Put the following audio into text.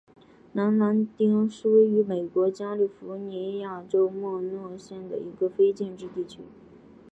南兰丁是位于美国加利福尼亚州莫诺县的一个非建制地区。